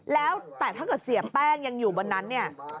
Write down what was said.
แล้วแต่ถ้าเกิดเสียแป้งยังอยู่บนนั้นเนี่ย